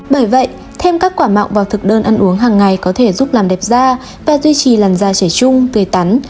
bởi vậy thêm các quả mạo vào thực đơn ăn uống hàng ngày có thể giúp làm đẹp da và duy trì làn da trẻ trung tươi tắn